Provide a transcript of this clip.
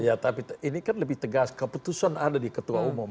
ya tapi ini kan lebih tegas keputusan ada di ketua umum